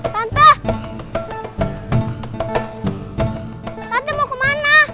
tante tante mau kemana